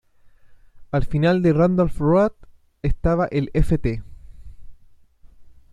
Al final de Randolph Road estaba el Ft.